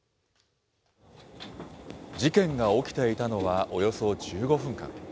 事件が起きていたのは、およそ１５分間。